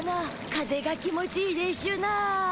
風が気持ちいいでしゅな。